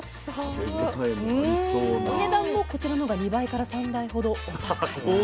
お値段もこちらのほうが２３倍ほどお高い。